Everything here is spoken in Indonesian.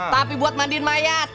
tapi buat mandiin mayat